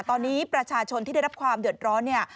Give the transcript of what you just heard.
ตอนนี้ประชาชนที่ได้รับความเดือดร้อนเนี่ย